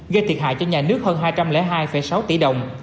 gây thiệt hại cho nhà nước hơn hai trăm linh hai sáu tỷ đồng